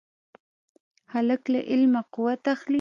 هلک له علمه قوت اخلي.